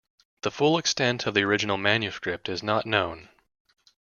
The full extent of the original manuscript is not known.